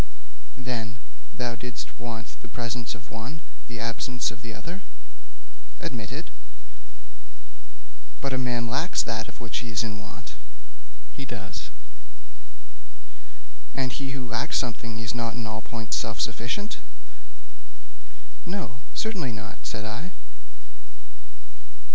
'Then, thou didst want the presence of the one, the absence of the other?' 'Admitted.' 'But a man lacks that of which he is in want?' 'He does.' 'And he who lacks something is not in all points self sufficing?' 'No; certainly not,' said I.